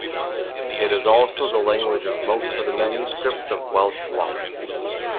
It is also the language of most of the manuscripts of Welsh law.